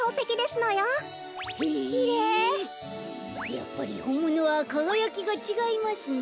やっぱりほんものはかがやきがちがいますな。